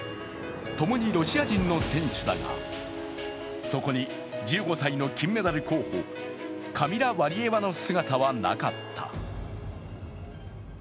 共にロシア人の選手だが、そこに１５歳の金メダル候補、カミラ・ワリエワの姿はなかった。